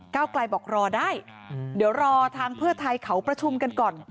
เก้าไกลบอกรอได้เดี๋ยวรอทางเพื่อไทยเขาประชุมกันก่อน